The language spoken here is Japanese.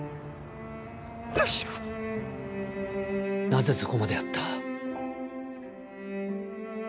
なぜそこまでやった？